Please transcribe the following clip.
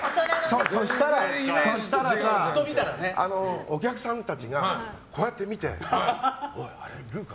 そしたら、お客さんたちがこうやって見ておい、あれルーか？